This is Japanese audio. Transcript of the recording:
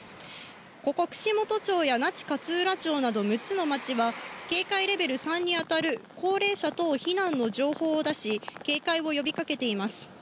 ここ、串本町や那智勝浦町など６つの町は、警戒レベル３に当たる高齢者等避難の情報を出し、警戒を呼びかけています。